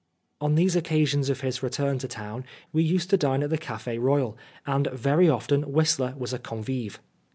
On these occasions of his return to town we used to dine at the Cafe" Royal, and very often Whistler was a convive.